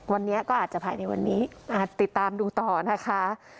วันนี้ก็อาจจะภายในวันนี้ติดตามดูต่อนะคะ